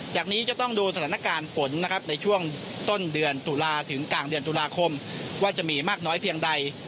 จากนี้จะต้องดูสถานการณ์ฝนนะครับในช่วงต้นเดือนตุลาถึงกลางเดือนตุลาคมว่าจะมีมากน้อยเพียงใด